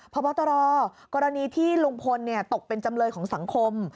พบตรกรณีที่ลุงพลตกเป็นจำเลยของสังคม